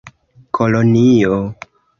kolonio